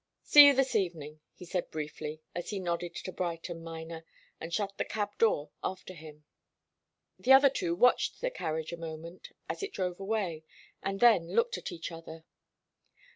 "See you this evening," he said briefly, as he nodded to Bright and Miner, and shut the cab door after him. The other two watched the carriage a moment, as it drove away, and then looked at one another.